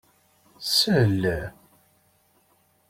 Sel...